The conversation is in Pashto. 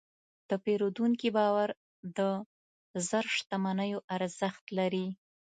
د پیرودونکي باور د زر شتمنیو ارزښت لري.